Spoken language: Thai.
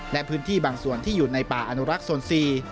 และพื้นที่บางส่วนที่อยู่ในป่าอนุรักษ์โซนซี